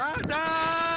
ya allah ya allah